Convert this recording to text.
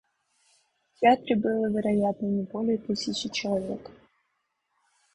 В театре было, вероятно, не более тысячи человек.